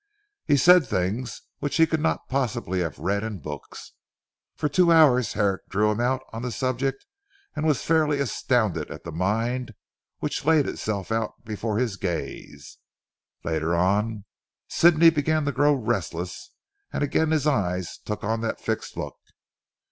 He said things which he could not possibly have read in books. For two hours Herrick drew him out on the subject and was fairly astounded at the mind which laid itself out before his gaze. Later on Sidney began to grow restless and again his eyes took on that fixed look.